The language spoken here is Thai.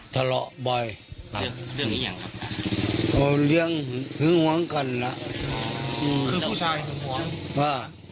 ทะเลาะบ่อยเงินกว้างกันนะคือผู้ชาย